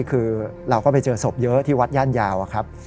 คือเราก็ไปเจอศพเยอะที่วัดย่านยาวอะครับ